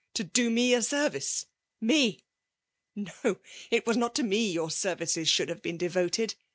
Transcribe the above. « To do me a service — me ! No !— it was not to me yonr services should have been devoted.